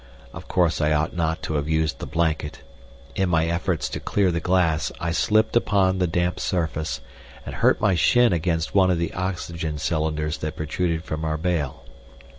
Of course I ought not to have used the blanket. In my efforts to clear the glass I slipped upon the damp surface, and hurt my shin against one of the oxygen cylinders that protruded from our bale.